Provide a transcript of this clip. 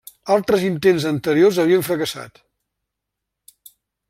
Altres intents anteriors havien fracassat.